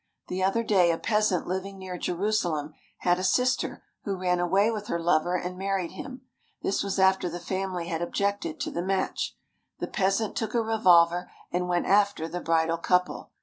The other day a peasant living near Jerusalem had a sister who ran away with her lover and married him. This was after the family had objected to the match. The peasant took a revolver and went after the bridal couple.